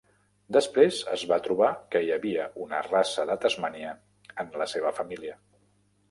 Després, es va trobar que hi havia una raça de Tasmània en la seva família!